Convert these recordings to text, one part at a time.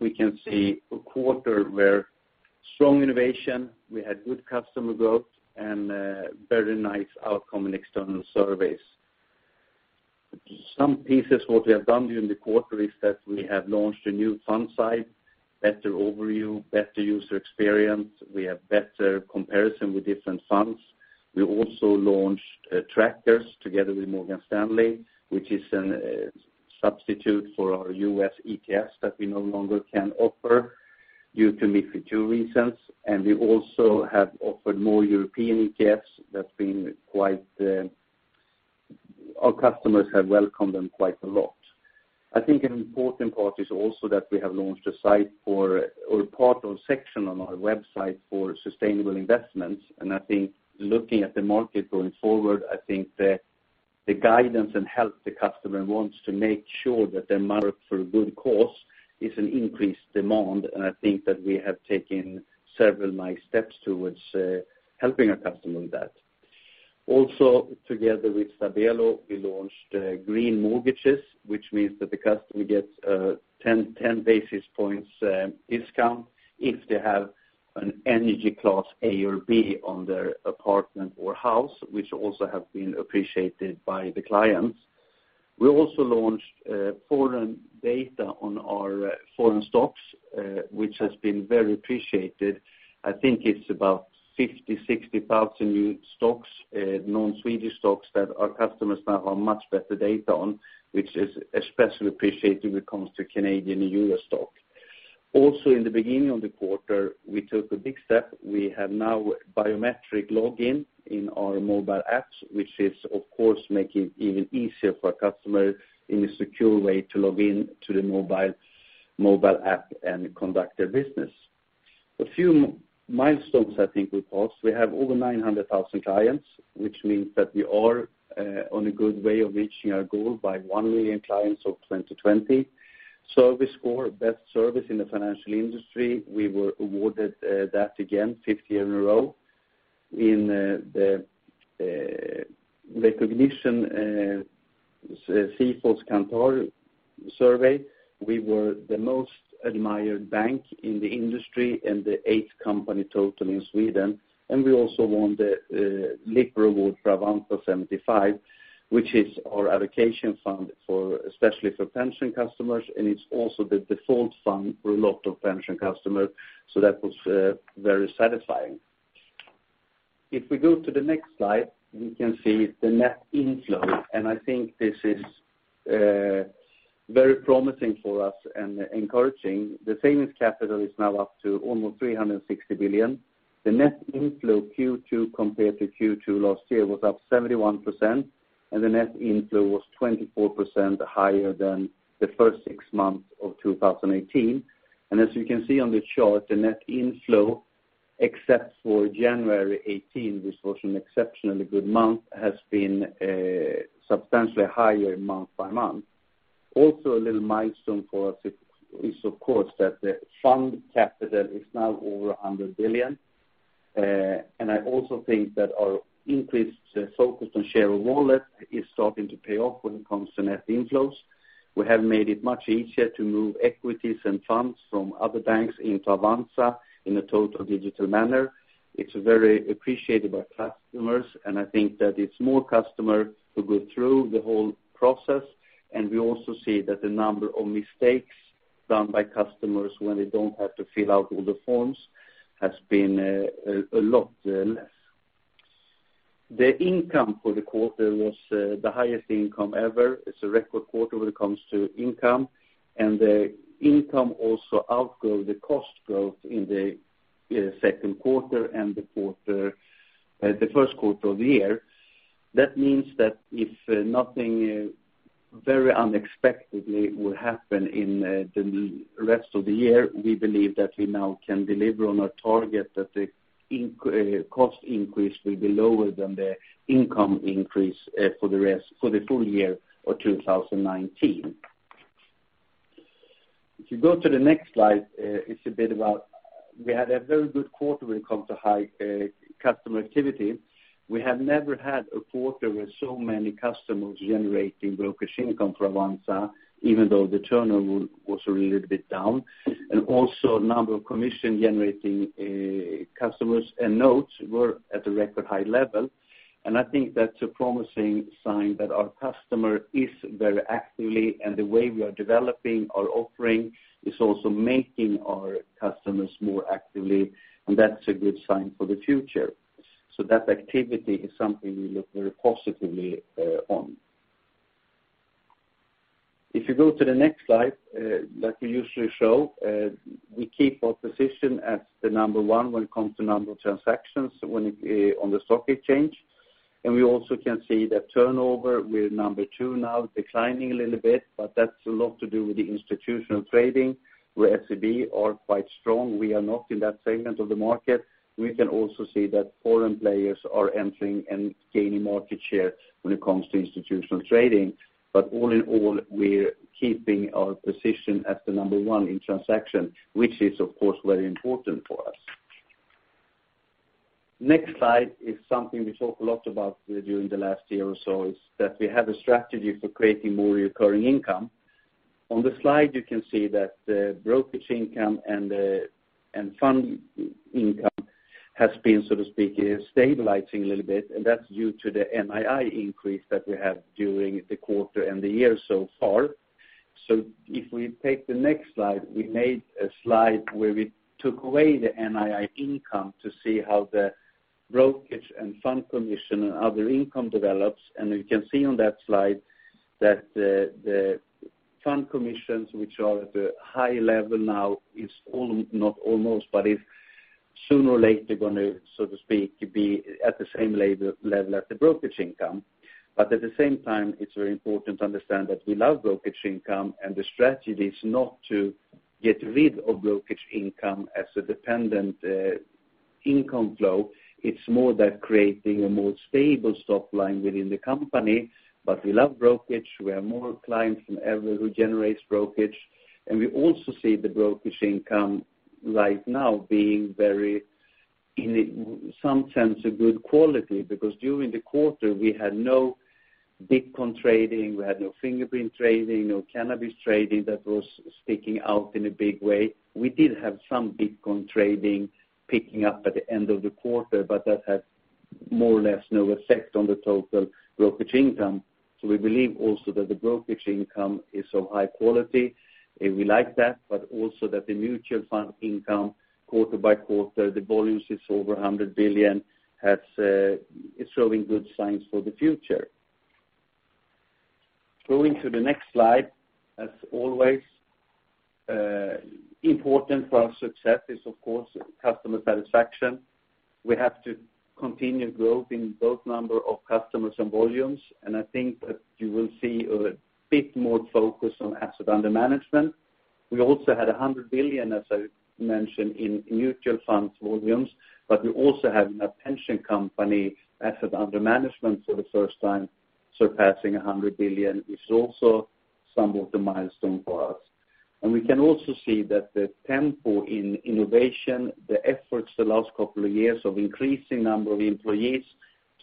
We can see a quarter where strong innovation, we had good customer growth, and very nice outcome and external surveys. Some pieces what we have done during the quarter is that we have launched a new front side, better overview, better user experience. We have better comparison with different funds. We also launched Trackers together with Morgan Stanley, which is a substitute for our U.S. ETFs that we no longer can offer due to MiFID II reasons. We also have offered more European ETFs. Our customers have welcomed them quite a lot. I think an important part is also that we have launched a site or a part or section on our website for sustainable investments. Looking at the market going forward, I think the guidance and help the customer wants to make sure that their money is for a good cause is an increased demand, and I think that we have taken several nice steps towards helping our customer with that. Also, together with Stabelo, we launched green mortgages, which means that the customer gets 10 basis points discount if they have an energy class A or B on their apartment or house, which also have been appreciated by the clients. We also launched foreign data on our foreign stocks, which has been very appreciated. I think it's about 50,000, 60,000 new stocks, non-Swedish stocks that our customers now have much better data on, which is especially appreciated when it comes to Canadian euro stock. Also in the beginning of the quarter, we took a big step. We have now biometric login in our mobile apps, which is, of course, making even easier for customers in a secure way to log in to the mobile app and conduct their business. A few milestones I think we passed. We have over 900,000 clients, which means that we are on a good way of reaching our goal by 1 million clients of 2020. Survey score, best service in the financial industry. We were awarded that again fifth year in a row. In the recognition, Kantar Sifo survey, we were the most admired bank in the industry and the eighth company total in Sweden. We also won the Lipper Fund Award for Avanza 75, which is our allocation fund especially for pension customers, and it's also the default fund for a lot of pension customers, so that was very satisfying. If we go to the next slide, we can see the net inflow, and I think this is very promising for us and encouraging. The savings capital is now up to almost 360 billion. The net inflow Q2 compared to Q2 last year was up 71%, and the net inflow was 24% higher than the first six months of 2018. As you can see on the chart, the net inflow, except for January 2018, this was an exceptionally good month, has been substantially higher month by month. Also a little milestone for us is, of course, that the fund capital is now over 100 billion. I also think that our increased focus on share wallet is starting to pay off when it comes to net inflows. We have made it much easier to move equities and funds from other banks into Avanza in a total digital manner. It's very appreciated by customers. I think that it's more customers who go through the whole process. We also see that the number of mistakes done by customers when they don't have to fill out all the forms has been a lot less. The income for the quarter was the highest income ever. It's a record quarter when it comes to income. The income also outgrew the cost growth in the second quarter and the first quarter of the year. That means that if nothing very unexpectedly will happen in the rest of the year, we believe that we now can deliver on our target that the cost increase will be lower than the income increase for the full year of 2019. If you go to the next slide, we had a very good quarter when it comes to high customer activity. We have never had a quarter with so many customers generating broker income for Avanza, even though the turnover was a little bit down. Also number of commission-generating customers and notes were at a record high level. I think that's a promising sign that our customers are very active and the way we are developing our offering is also making our customers more active, and that's a good sign for the future. That activity is something we look very positively on. If you go to the next slide, like we usually show, we keep our position as the number 1 when it comes to number of transactions on the stock exchange. We also can see that turnover, we're number 2 now, declining a little bit, but that's a lot to do with the institutional trading where SEB is quite strong. We are not in that segment of the market. We can also see that foreign players are entering and gaining market share when it comes to institutional trading. All in all, we're keeping our position as the number 1 in transaction, which is, of course, very important for us. Next slide is something we talk a lot about during the last year or so, is that we have a strategy for creating more recurring income. On the slide, you can see that the brokerage income and fund income has been, so to speak, stabilizing a little bit, and that's due to the NII increase that we have during the quarter and the year so far. If we take the next slide, we made a slide where we took away the NII income to see how the brokerage and fund commission and other income develops. You can see on that slide that the fund commissions, which are at a high level now, soon or late, they're going to, so to speak, be at the same level as the brokerage income. At the same time, it's very important to understand that we love brokerage income. The strategy is not to get rid of brokerage income as a dependent income flow. It's more that creating a more stable top line within the company. We love brokerage. We have more clients than ever who generate brokerage. We also see the brokerage income right now being very, in some sense, a good quality, because during the quarter, we had no Bitcoin trading, we had no Fingerprint trading, no cannabis trading that was sticking out in a big way. We did have some Bitcoin trading picking up at the end of the quarter, but that had more or less no effect on the total brokerage income. We believe also that the brokerage income is of high quality, and we like that, but also that the mutual fund income quarter by quarter, the volumes is over 100 billion, it is showing good signs for the future. Going to the next slide, as always important for our success is, of course, customer satisfaction. We have to continue growth in both number of customers and volumes, and I think that you will see a bit more focus on assets under management. We also had 100 billion, as I mentioned, in mutual funds volumes, but we also have a pension company asset under management for the first time surpassing 100 billion is also some of the milestone for us. We can also see that the tempo in innovation, the efforts the last couple of years of increasing number of employees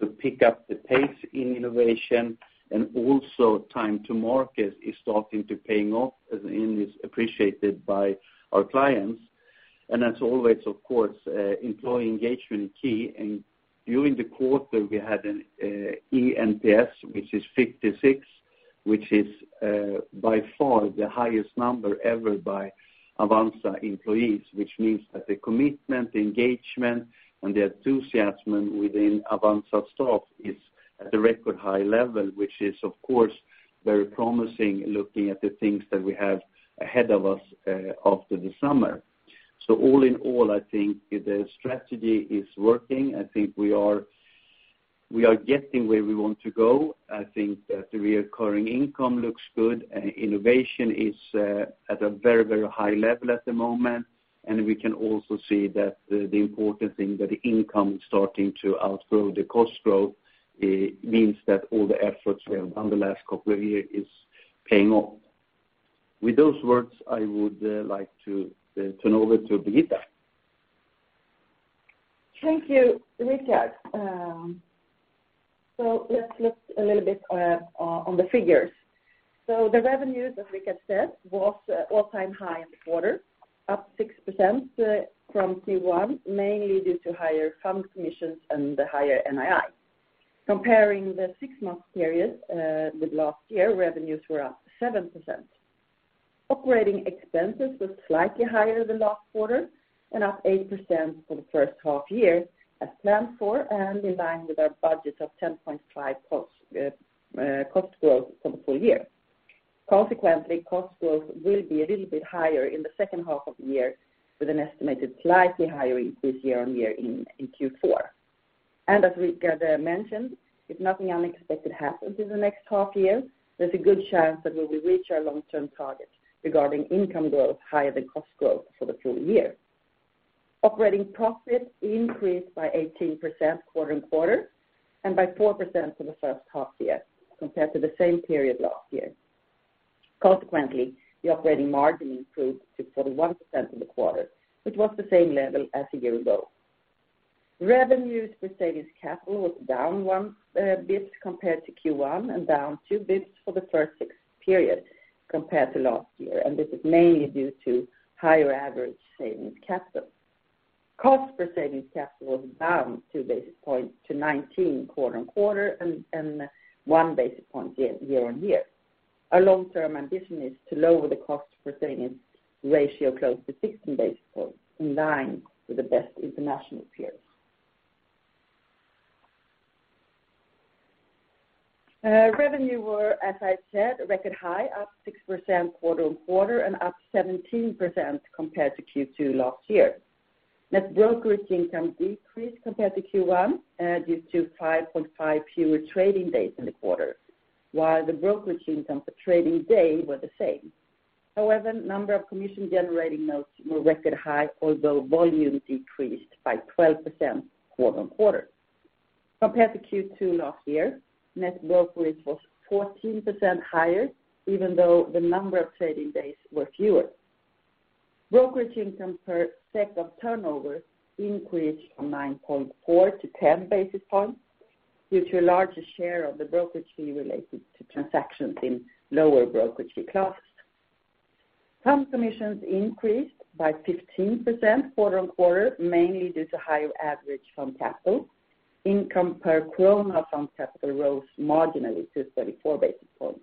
to pick up the pace in innovation and also time to market is starting to pay off and is appreciated by our clients. As always, of course, employee engagement is key. During the quarter we had an eNPS, which is 56, which is by far the highest number ever by Avanza employees, which means that the commitment, engagement, and the enthusiasm within Avanza staff is at a record high level, which is of course very promising looking at the things that we have ahead of us after the summer. All in all, I think the strategy is working. I think we are getting where we want to go. I think that the reoccurring income looks good. Innovation is at a very high level at the moment. We can also see that the important thing that income starting to outgrow the cost growth means that all the efforts we have done the last couple of years is paying off. With those words, I would like to turn over to Birgitta. Thank you, Rikard. Let's look a little bit on the figures. The revenues, as Rikard said, was all-time high in the quarter, up 6% from Q1, mainly due to higher fund commissions and the higher NII. Comparing the six-month period with last year, revenues were up 7%. Operating expenses were slightly higher than last quarter and up 8% for the first half year as planned for and in line with our budget of 10.5% cost growth for the full year. Consequently, cost growth will be a little bit higher in the second half of the year, with an estimated slightly higher increase year-on-year in Q4. As Rikard mentioned, if nothing unexpected happens in the next half year, there is a good chance that we will reach our long-term target regarding income growth higher than cost growth for the full year. Operating profit increased by 18% quarter-on-quarter and by 4% for the first half-year compared to the same period last year. Consequently, the operating margin improved to 41% in the quarter, which was the same level as a year ago. Revenues for savings capital was down one basis point compared to Q1 and down two basis points for the first six period compared to last year. This is mainly due to higher average savings capital. Cost for savings capital was down two basis points to 19 basis points quarter-on-quarter and one basis point year-on-year. Our long-term ambition is to lower the cost for savings ratio close to 16 basis points in line with the best international peers. Revenue were, as I said, record high, up 6% quarter-on-quarter and up 17% compared to Q2 last year. Net brokerage income decreased compared to Q1 due to 5.5 fewer trading days in the quarter, while the brokerage income per trading day were the same. Number of commission generating notes were record high, although volume decreased by 12% quarter-on-quarter. Compared to Q2 last year, net brokerage was 14% higher, even though the number of trading days were fewer. Brokerage income per set of turnover increased from 9.4 to 10 basis points, due to a larger share of the brokerage fee related to transactions in lower brokerage fee classes. Fund commissions increased by 15% quarter-on-quarter, mainly due to higher average fund capital. Income per SEK fund capital rose marginally to 34 basis points,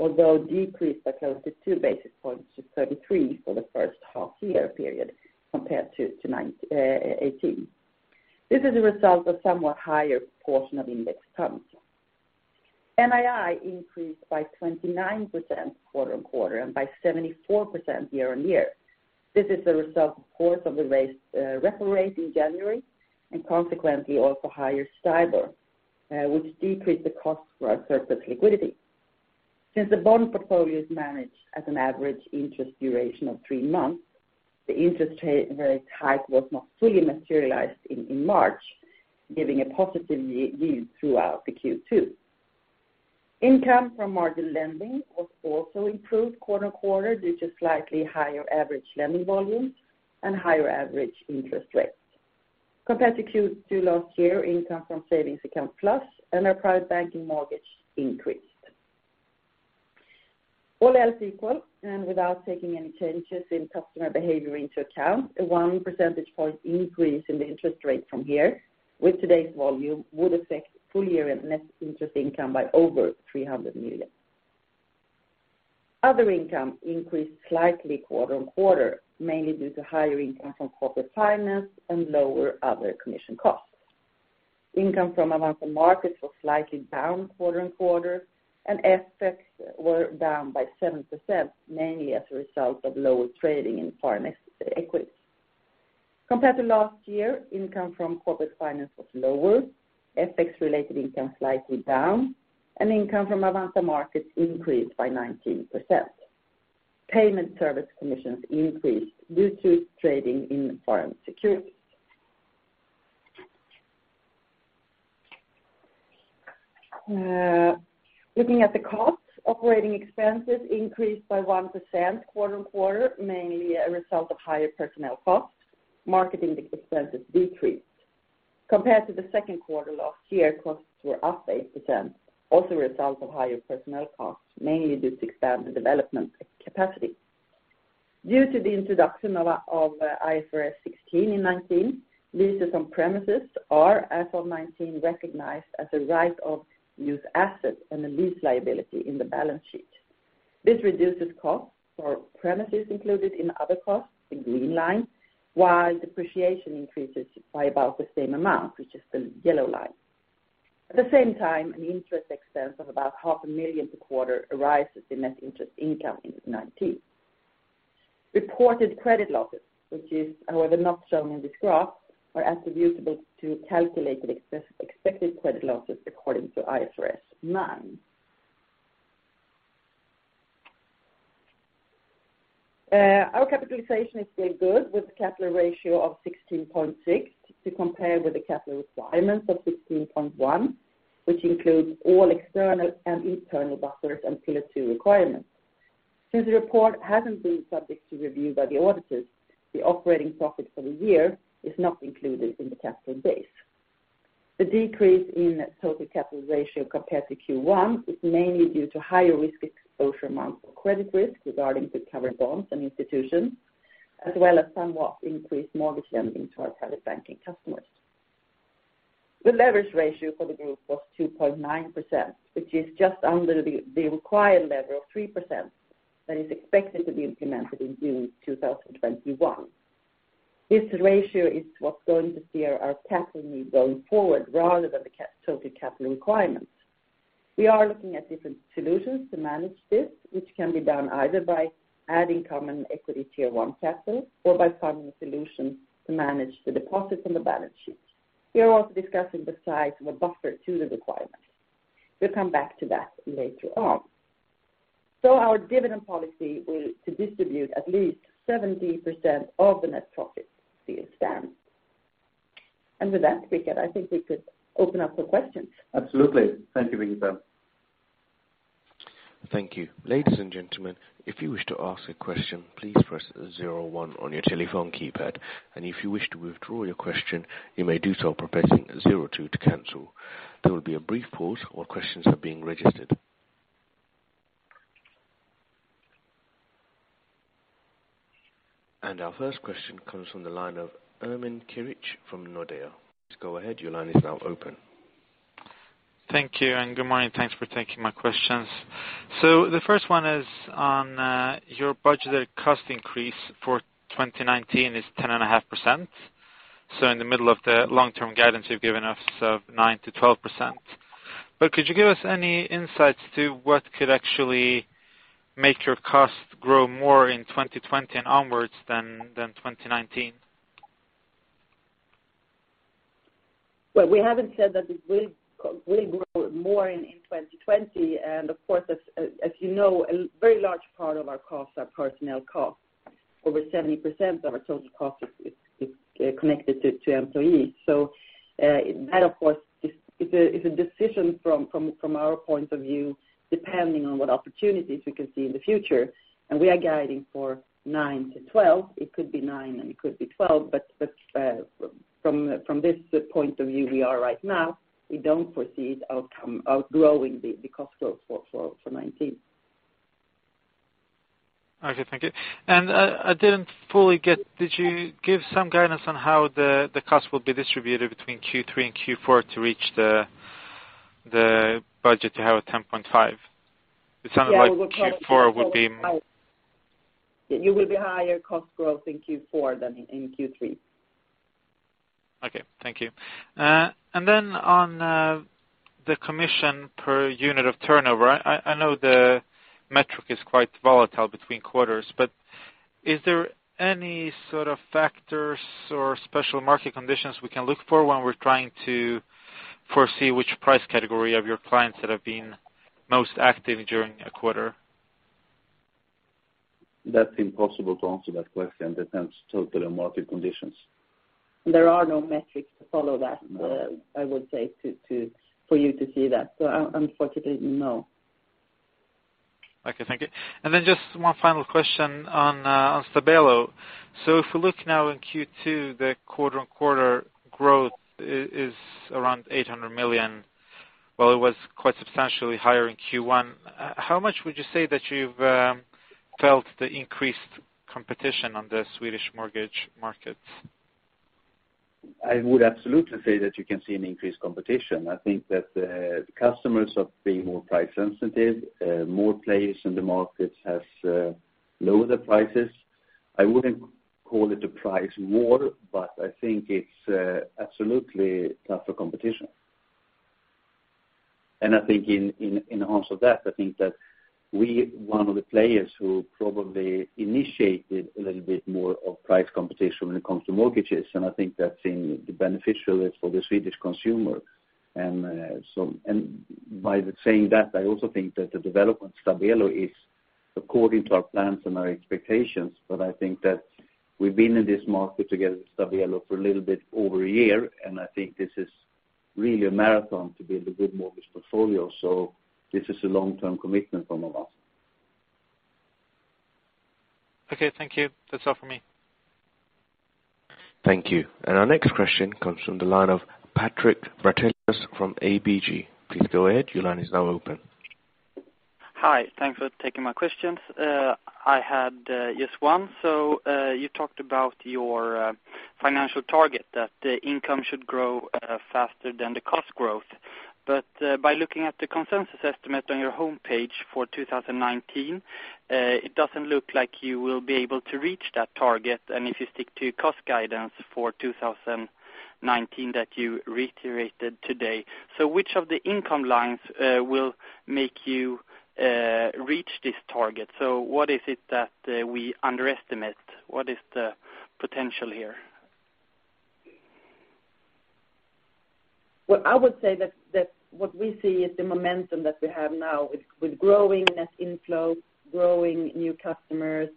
although decreased by close to two basis points to 33 for the first half-year period compared to 2018. This is a result of somewhat higher portion of index funds. NII increased by 29% quarter-on-quarter, and by 74% year-on-year. This is a result, of course, of the base repo rate in January, and consequently also higher STIBOR, which decreased the cost for our surplus liquidity. Since the bond portfolio is managed at an average interest duration of three months, the interest rate hike was not fully materialized in March, giving a positive yield throughout the Q2. Income from margin lending was also improved quarter-on-quarter due to slightly higher average lending volumes and higher average interest rates. Compared to Q2 last year, income from Savings Account+ and our Private Banking mortgage increased. All else equal and without taking any changes in customer behavior into account, a 1 percentage point increase in the interest rate from here, with today's volume, would affect full year net interest income by over 300 million. Other income increased slightly quarter-on-quarter, mainly due to higher income from corporate finance and lower other commission costs. Income from Avanza Markets was slightly down quarter-on-quarter, and FX were down by 7%, mainly as a result of lower trading in foreign equities. Compared to last year, income from corporate finance was lower, FX-related income slightly down, and income from Avanza Markets increased by 19%. Payment service commissions increased due to trading in foreign securities. Looking at the costs, operating expenses increased by 1% quarter-on-quarter, mainly a result of higher personnel costs. Marketing expenses decreased. Compared to the second quarter last year, costs were up 8%, also a result of higher personnel costs, mainly due to expanded development capacity. Due to the introduction of IFRS 16 in 2019, leases on premises are as of 2019 recognized as a right of use asset and a lease liability in the balance sheet. This reduces costs for premises included in other costs, the green line, while depreciation increases by about the same amount, which is the yellow line. At the same time, an interest expense of about half a million SEK per quarter arises in net interest income in 2019. Reported credit losses, which is, however, not shown in this graph, are attributable to calculated expected credit losses according to IFRS 9. Our capitalization is still good, with a capital ratio of 16.6% to compare with the capital requirements of 16.1%, which includes all external and internal buffers and Pillar 2 requirements. Since the report hasn't been subject to review by the auditors, the operating profit for the year is not included in the capital base. The decrease in total capital ratio compared to Q1 is mainly due to higher risk exposure amounts for credit risk regarding recovered bonds and institutions, as well as somewhat increased mortgage lending to our Private Banking customers. The leverage ratio for the group was 2.9%, which is just under the required level of 3% that is expected to be implemented in June 2021. This ratio is what's going to steer our capital need going forward rather than the total capital requirements. We are looking at different solutions to manage this, which can be done either by adding common equity Tier 1 capital or by finding a solution to manage the deposits on the balance sheet. We are also discussing the size of a buffer to the requirement. We'll come back to that later on. Our dividend policy will distribute at least 70% of the net profit to shareholders. With that, Rikard, I think we could open up for questions. Absolutely. Thank you, Birgitta. Thank you. Ladies and gentlemen, if you wish to ask a question, please press 01 on your telephone keypad, and if you wish to withdraw your question, you may do so by pressing 02 to cancel. There will be a brief pause while questions are being registered. Our first question comes from the line of Ermin Keric from Nordea. Please go ahead. Your line is now open. Thank you, and good morning. Thanks for taking my questions. The first one is on your budgeted cost increase for 2019 is 10.5%. In the middle of the long-term guidance you've given us of 9%-12%. Could you give us any insights to what could actually make your cost grow more in 2020 and onwards than 2019? Well, we haven't said that it will grow more in 2020, and of course, as you know, a very large part of our costs are personnel costs. Over 70% of our total cost is connected to employees. That, of course, is a decision from our point of view, depending on what opportunities we can see in the future. We are guiding for 9%-12%. It could be 9% and it could be 12%, but from this point of view we are right now, we don't foresee outgrowing the cost growth for 2019. Okay, thank you. I didn't fully get, did you give some guidance on how the cost will be distributed between Q3 and Q4 to reach the budget to have a 10.5%? Yeah Q4 would be- You will be higher cost growth in Q4 than in Q3. Okay, thank you. Then on the commission per unit of turnover. I know the metric is quite volatile between quarters, but is there any sort of factors or special market conditions we can look for when we're trying to foresee which price category of your clients that have been most active during a quarter? That's impossible to answer that question. Depends totally on market conditions. There are no metrics to follow that- No I would say for you to see that. Unfortunately, no. Okay, thank you. Just one final question on Stabelo. If we look now in Q2, the quarter-on-quarter growth is around 800 million, while it was quite substantially higher in Q1. How much would you say that you've felt the increased competition on the Swedish mortgage markets? I would absolutely say that you can see an increased competition. I think that the customers are being more price sensitive. More players in the market has lowered their prices. I wouldn't call it a price war, but I think it's absolutely tougher competition. I think in enhance of that, I think that we one of the players who probably initiated a little bit more of price competition when it comes to mortgages, and I think that's been beneficial for the Swedish consumer. By saying that, I also think that the development of Stabelo is according to our plans and our expectations, but I think that we've been in this market together with Stabelo for a little bit over a year, and I think this is really a marathon to build a good mortgage portfolio. This is a long-term commitment from Avanza. Okay, thank you. That's all for me. Thank you. Our next question comes from the line of Patrick Vartanian from ABG. Please go ahead. Your line is now open. Hi. Thanks for taking my questions. I had just one. You talked about your financial target, that income should grow faster than the cost growth. By looking at the consensus estimate on your homepage for 2019, it doesn't look like you will be able to reach that target, and if you stick to cost guidance for 2019 that you reiterated today. Which of the income lines will make you reach this target? What is it that we underestimate? What is the potential here? I would say that what we see is the momentum that we have now with growing net inflows, growing new customers.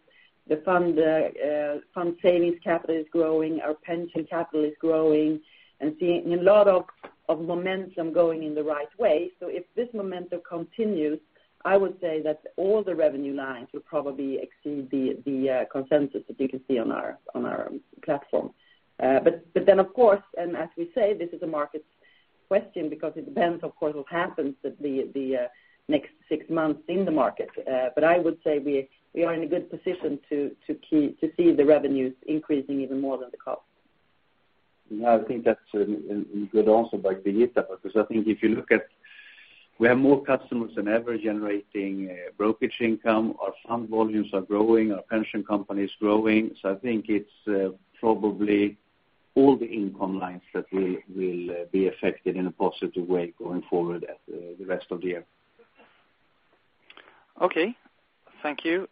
The fund savings capital is growing, our pension capital is growing, and seeing a lot of momentum going in the right way. If this momentum continues, I would say that all the revenue lines will probably exceed the consensus that you can see on our platform. Of course, and as we say, this is a market question because it depends, of course, what happens at the next six months in the market. I would say we are in a good position to see the revenues increasing even more than the cost. I think that's a good answer by Birgitta, because I think if you look at we have more customers than ever generating brokerage income. Our fund volumes are growing, our pension company is growing. I think it's probably all the income lines that will be affected in a positive way going forward at the rest of the year. Okay. Thank you.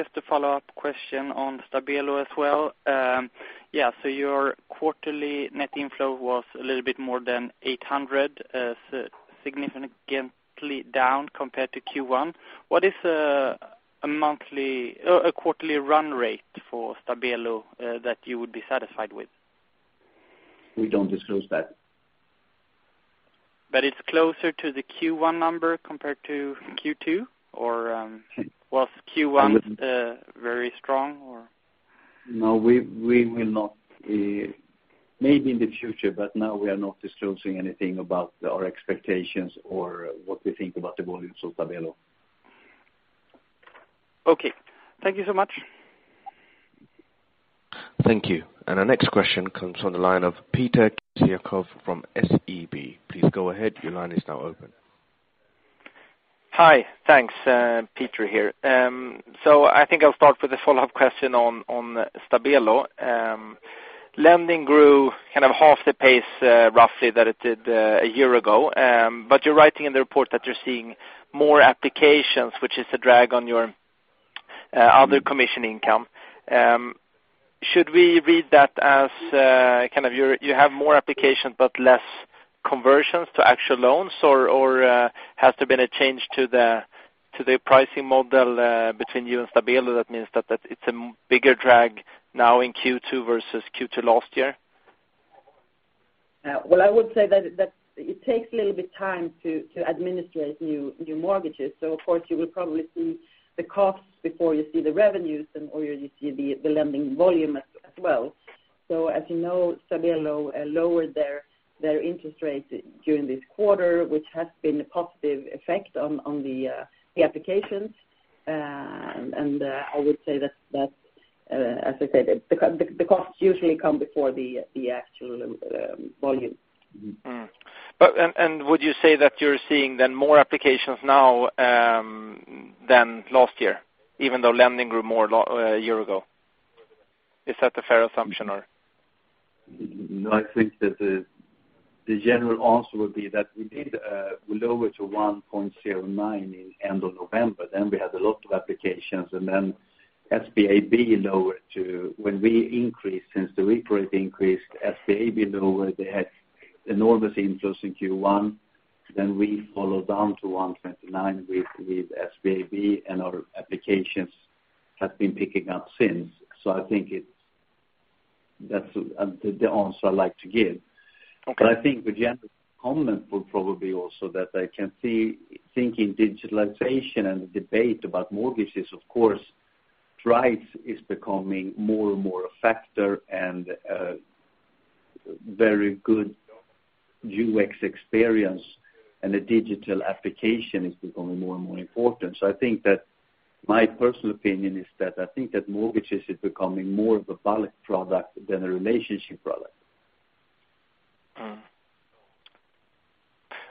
Just a follow-up question on Stabelo as well. Your quarterly net inflow was a little bit more than 800, significantly down compared to Q1. What is a quarterly run rate for Stabelo that you would be satisfied with? We don't disclose that. It's closer to the Q1 number compared to Q2? Was Q1 very strong? No, we will not. Maybe in the future, but now we are not disclosing anything about our expectations or what we think about the volumes of Stabelo. Okay. Thank you so much. Thank you. Our next question comes from the line of Peter Kessiakoff from SEB. Please go ahead. Your line is now open. Hi. Thanks. Peter here. I think I'll start with a follow-up question on Stabelo. Lending grew half the pace roughly that it did a year ago. You're writing in the report that you're seeing more applications, which is a drag on your other commission income. Should we read that as you have more applications but less conversions to actual loans? Has there been a change to the pricing model between you and Stabelo that means that it's a bigger drag now in Q2 versus Q2 last year? I would say that it takes a little bit time to administrate new mortgages. Of course, you will probably see the costs before you see the revenues and/or you see the lending volume as well. As you know, Stabelo lowered their interest rates during this quarter, which has been a positive effect on the applications. I would say that, as I said, the costs usually come before the actual volume. Would you say that you're seeing then more applications now than last year, even though lending grew more a year ago? Is that a fair assumption? I think that the general answer would be that we did lower to 1.09 in end of November. We had a lot of applications. SBAB lowered to when we increased, since the repo rate increased, SBAB lowered. They had enormous inflows in Q1. We followed down to 1.9 with SBAB, and our applications have been picking up since. I think that's the answer I'd like to give. Okay. I think the general comment would probably also that I can see thinking digitalization and the debate about mortgages. Of course, price is becoming more and more a factor and a very good UX experience, and a digital application is becoming more and more important. I think that my personal opinion is that I think that mortgages is becoming more of a product than a relationship product.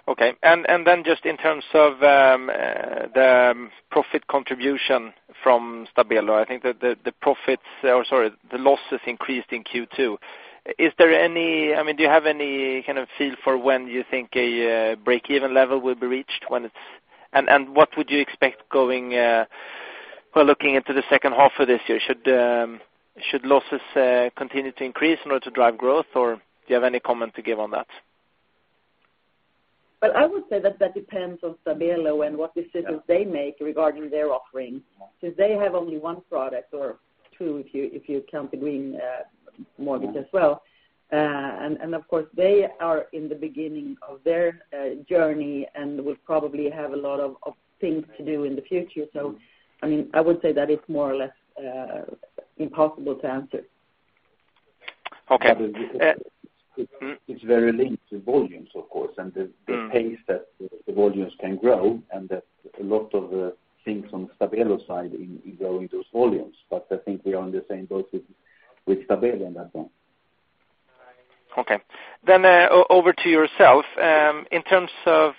Okay. Then just in terms of the profit contribution from Stabelo, I think the losses increased in Q2. Do you have any kind of feel for when you think a breakeven level will be reached? What would you expect looking into the second half of this year? Should losses continue to increase in order to drive growth, or do you have any comment to give on that? Well, I would say that depends on Stabelo and what decisions they make regarding their offering. They have only one product or two, if you count the green mortgage as well. Of course, they are in the beginning of their journey and would probably have a lot of things to do in the future. I would say that it's more or less impossible to answer. Okay. It's very linked to volumes, of course, and the pace that the volumes can grow, and that a lot of things on Stabelo side in growing those volumes. I think we are on the same boat with Stabelo on that one. Okay. Over to yourself. In terms of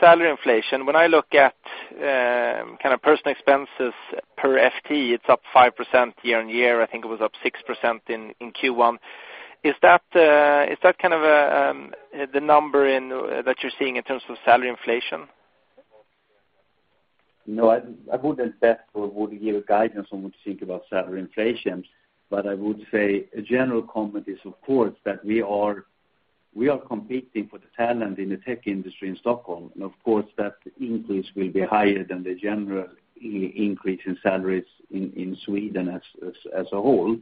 salary inflation, when I look at personal expenses per FTE, it's up 5% year-on-year. I think it was up 6% in Q1. Is that the number that you're seeing in terms of salary inflation? I wouldn't give guidance on what to think about salary inflation. I would say a general comment is, of course, that we are competing for the talent in the tech industry in Stockholm, of course, that increase will be higher than the general increase in salaries in Sweden as a whole.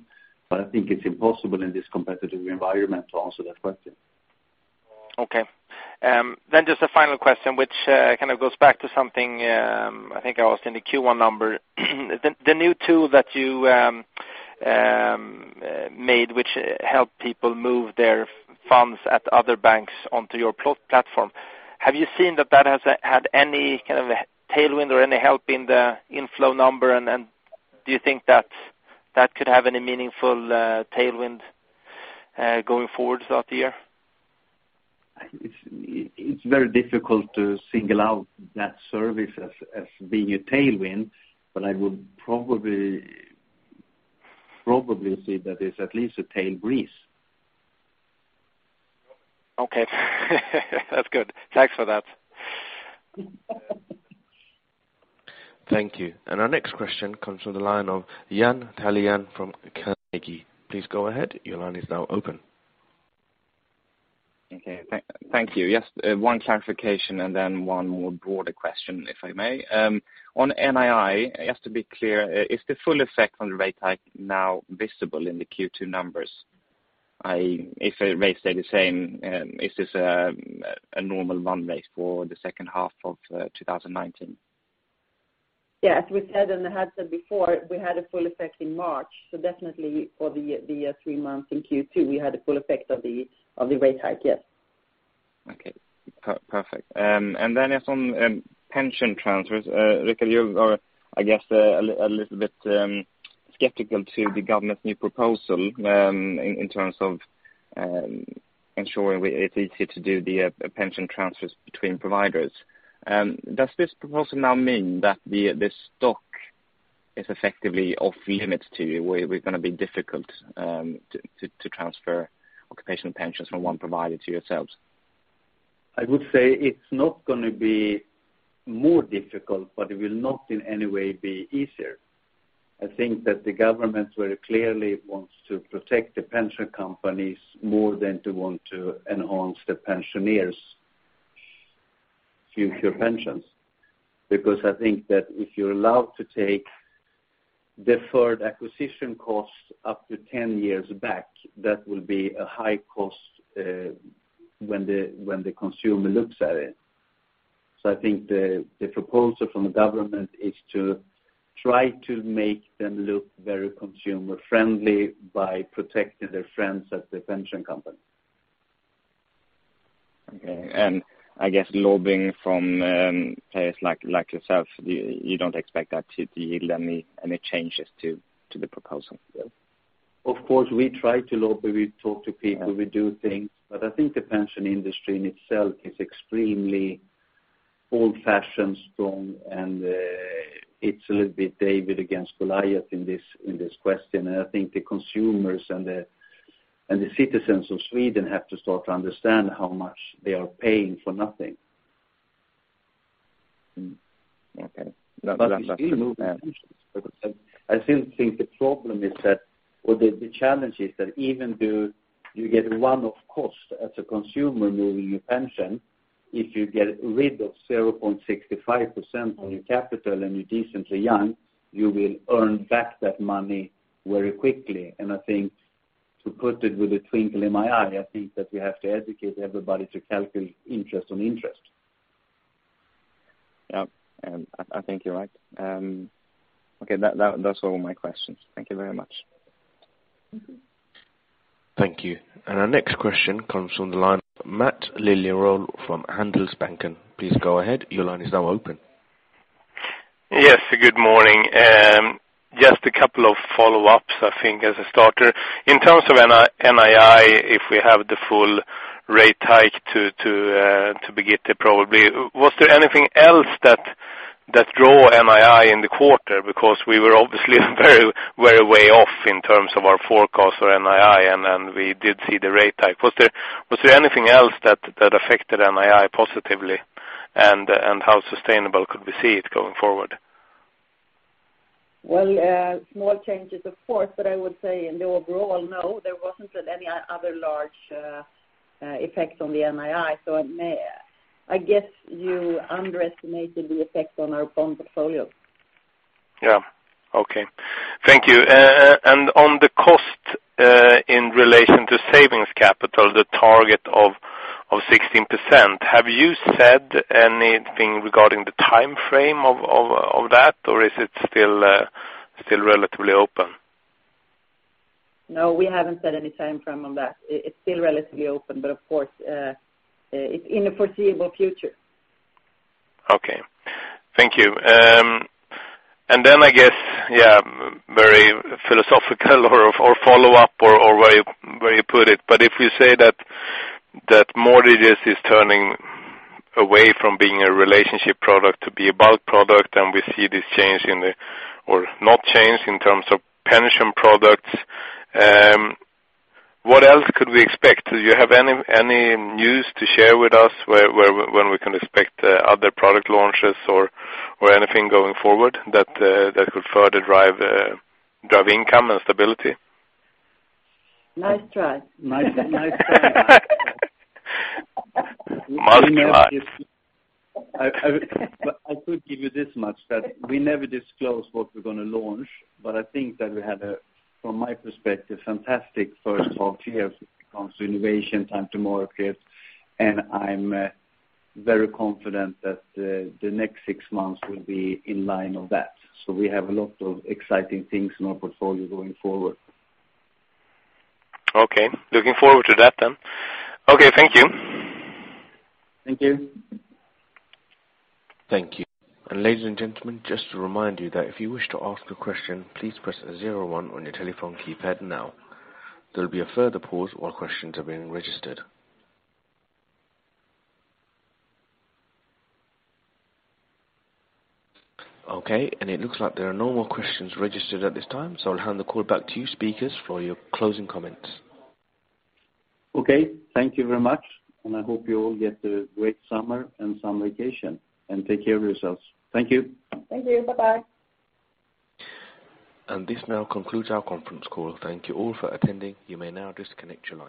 I think it's impossible in this competitive environment to answer that question. Okay. Just a final question, which goes back to something, I think I asked in the Q1 number. The new tool that you made, which helped people move their funds at other banks onto your platform. Have you seen that has had any kind of tailwind or any help in the inflow number? Do you think that could have any meaningful tailwind going forward throughout the year? It's very difficult to single out that service as being a tailwind, I would probably say that it's at least a tail breeze. Okay. That's good. Thanks for that. Thank you. Our next question comes from the line of Jens Tjärnlund from Carnegie. Please go ahead. Your line is now open. Okay, thank you. Just one clarification, then one more broader question, if I may. On NII, just to be clear, is the full effect on the rate hike now visible in the Q2 numbers? If the rate stay the same, is this a normal run rate for the second half of 2019? Yeah. As we said, I had said before, we had a full effect in March. Definitely for the three months in Q2, we had a full effect of the rate hike. Yes. Okay. Perfect. Just on pension transfers. Rikard, you are, I guess, a little bit skeptical to the government's new proposal in terms of ensuring it's easier to do the pension transfers between providers. Does this proposal now mean that the stock is effectively off limits to you? Where it's going to be difficult to transfer occupational pensions from one provider to yourselves? I would say it's not going to be more difficult, but it will not in any way be easier. I think that the government very clearly wants to protect the pension companies more than they want to enhance the pensioners' future pensions. I think that if you're allowed to take deferred acquisition costs up to 10 years back, that will be a high cost when the consumer looks at it. I think the proposal from the government is to try to make them look very consumer-friendly by protecting their friends at the pension company. Okay. I guess lobbying from players like yourself, you don't expect that to yield any changes to the proposal? Of course, we try to lobby, we talk to people, we do things. I think the pension industry in itself is extremely old-fashioned, strong, and it's a little bit David against Goliath in this question. I think the consumers and the citizens of Sweden have to start to understand how much they are paying for nothing. Okay. I still think the problem is that, or the challenge is that even though you get one-off cost as a consumer moving your pension, if you get rid of 0.65% on your capital and you're decently young, you will earn back that money very quickly. I think to put it with a twinkle in my eye, I think that we have to educate everybody to calculate interest on interest. Yep. I think you're right. Okay, those are all my questions. Thank you very much. Thank you. Our next question comes from the line of Mats Liljeroos from Handelsbanken. Please go ahead. Your line is now open. Yes. Good morning. Just a couple of follow-ups, I think, as a starter. In terms of NII, if we have the full rate hike to be getting probably, was there anything else that drew NII in the quarter? We were obviously way off in terms of our forecast for NII, and we did see the rate hike. Was there anything else that affected NII positively? How sustainable could we see it going forward? Well, small changes, of course, but I would say in the overall, no, there wasn't any other large effects on the NII. I guess you underestimated the effect on our bond portfolio. Yeah. Okay. Thank you. On the cost, in relation to savings capital, the target of 16%, have you said anything regarding the timeframe of that, or is it still relatively open? No, we haven't set any timeframe on that. It's still relatively open, but of course, it's in the foreseeable future. Okay. Thank you. I guess, yeah, very philosophical or follow up or where you put it. If we say that mortgages is turning away from being a relationship product to be a bulk product, we see this change in the, or not change in terms of pension products, what else could we expect? Do you have any news to share with us when we can expect other product launches or anything going forward that could further drive income and stability? Nice try. Nice try. Marketing wise. I could give you this much, that we never disclose what we're going to launch, but I think that we had a, from my perspective, fantastic first half year when it comes to innovation, time to market. I'm very confident that the next six months will be in line of that. We have a lot of exciting things in our portfolio going forward. Okay. Looking forward to that then. Okay, thank you. Thank you. Thank you. Ladies and gentlemen, just to remind you that if you wish to ask a question, please press 01 on your telephone keypad now. There'll be a further pause while questions are being registered. It looks like there are no more questions registered at this time, so I'll hand the call back to you speakers for your closing comments. Thank you very much. I hope you all get a great summer and some vacation. Take care of yourselves. Thank you. Thank you. Bye-bye. This now concludes our conference call. Thank you all for attending. You may now disconnect your lines.